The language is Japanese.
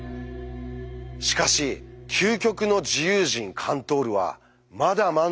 しかし究極の自由人カントールはまだ満足しません。